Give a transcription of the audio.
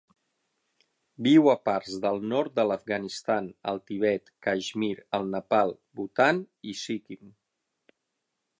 Viu a parts del nord de l'Afganistan, el Tibet, Caixmir, el Nepal, Bhutan i Sikkim.